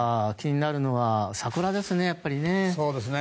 気になるのは桜ですね、やっぱりね。